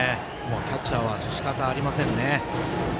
キャッチャーはしかたありませんね。